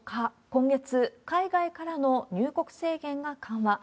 今月、海外からの入国制限が緩和。